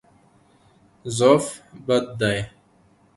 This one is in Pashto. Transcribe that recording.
ضعف بد دی.